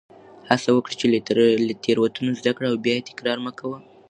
هڅه وکړه چې له تېروتنو زده کړه او بیا یې تکرار مه کوه.